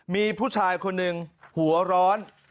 มีผู้ชายคนหนึ่งหัวร้อน